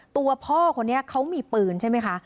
ตัวพ่อคนนี้เขามีปืนใช่ไหมคะ